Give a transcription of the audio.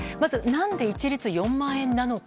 何で一律４万円なのか